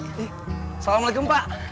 eh salam alaikum pak